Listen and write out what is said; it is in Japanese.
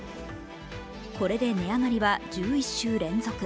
これで値上がりは１１週連続。